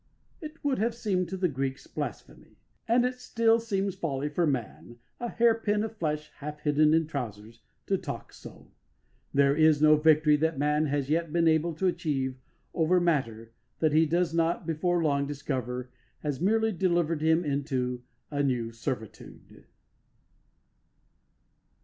It would have seemed to the Greeks blasphemy, and it still seems folly for man, a hair pin of flesh half hidden in trousers, to talk so. There is no victory that man has yet been able to achieve over matter that he does not before long discover has merely delivered him into a new servitude.